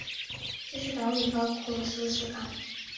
这些岛屿包括苏斯港。